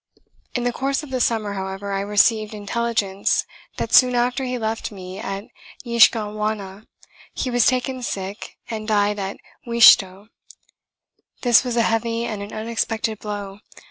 In the course of the summer, however, I received intelligence that soon after he left me at Yiskahwana he was taken sick and died at Wiishto. This was a heavy and an unexpected blow.